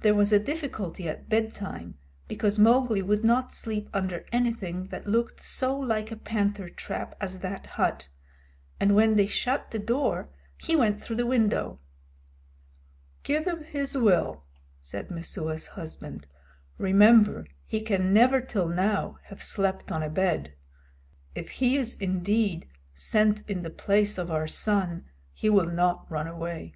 There was a difficulty at bedtime, because Mowgli would not sleep under anything that looked so like a panther trap as that hut, and when they shut the door he went through the window. "Give him his will," said Messua's husband. "Remember he can never till now have slept on a bed. If he is indeed sent in the place of our son he will not run away."